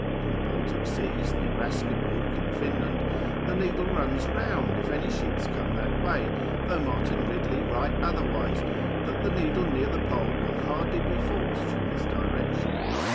In the Baltic Seas, near Rasceburg in Finland, the needle runs round, if any ships come that way, though Martin Ridley write otherwise, that the needle near the Pole will hardly be forced from his direction.